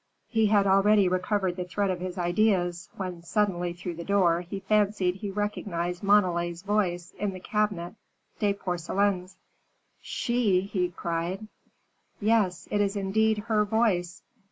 He had already recovered the thread of his ideas, when, suddenly, through the door, he fancied he recognized Montalais's voice in the Cabinet des Porcelaines. "She!" he cried. "Yes, it is indeed her voice!